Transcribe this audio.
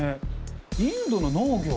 インドの農業。